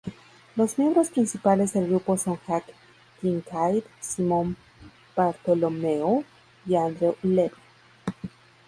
Los miembros principales del grupo son Jan Kincaid, Simon Bartholomew y Andrew Levy.